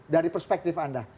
dari perspektif anda